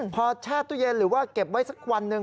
พอแช่ตู้เย็นหรือว่าเก็บไว้สักวันหนึ่ง